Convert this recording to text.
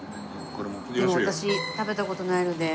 でも私食べた事ないので。